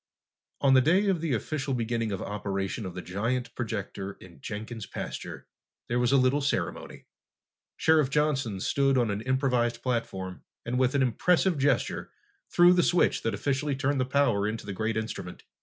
On the day of the official beginning of operation of the giant projector in Jenkin's pasture, there was a little ceremony. Sheriff Johnson stood on an improvised platform and with an impressive gesture threw the switch that officially turned the power into the great instrument.